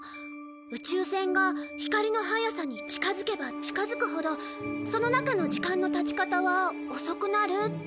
宇宙船が光の速さに近づけば近づくほどその中の時間の経ち方は遅くなるって。